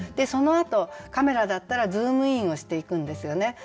そのあとカメラだったらズームインをしていくんですよね。